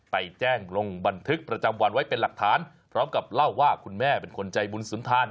ไปแจ้งลงบันทึกประจำวันไว้เป็นหลักฐานพร้อมกับเล่าว่าคุณแม่เป็นคนใจบุญสุนทาน